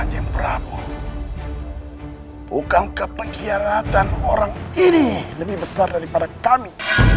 kanyang prabu bukan kepenjaraan orang ini lebih besar daripada kami